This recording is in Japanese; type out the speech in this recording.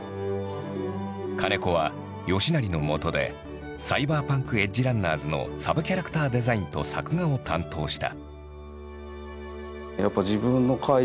金子は吉成のもとで「サイバーパンク：エッジランナーズ」のサブキャラクターデザインと作画を担当した。